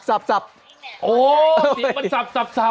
โอ้เสียงมันสับ